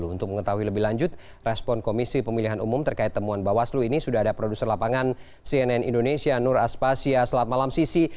untuk mengetahui lebih lanjut respon komisi pemilihan umum terkait temuan bawaslu ini sudah ada produser lapangan cnn indonesia nur aspasya selat malam sisi